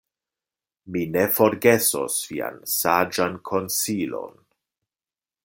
Mi ne forgesos vian saĝan konsilon.